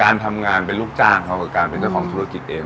การทำงานเป็นลูกจ้างเขากับการเป็นเจ้าของธุรกิจเอง